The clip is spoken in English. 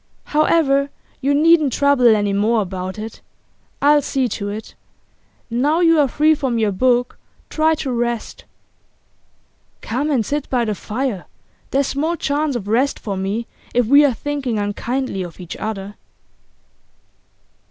'However, you needn't trouble any more about it. I'll see to it. Now you are free from your book try to rest.' 'Come and sit by the fire. There's small chance of rest for me if we are thinking unkindly of each other.